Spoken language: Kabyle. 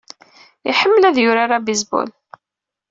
Iḥemmel ad yurar abaseball.